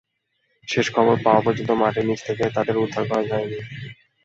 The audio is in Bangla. শেষ খবর পাওয়া পর্যন্ত মাটির নিচ থেকে তাঁদের উদ্ধার করা যায়নি।